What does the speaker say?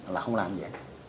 là không làm gì